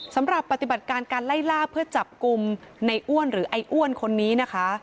สำหรับปฏิบัติการการไล่ล่าเพื่อจับกลุ่มในอ้วนหรือไอ้อ้วนคนนี้นะคะ